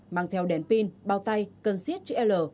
mang theo đèn pin bao tay cần siết chữ l